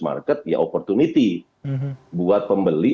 market ya opportunity buat pembeli